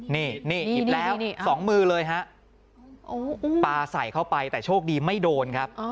นี่หยิบแล้ว๒มือเลยฮะปลาใส่เข้าไปแต่โชคดีไม่โดนครับ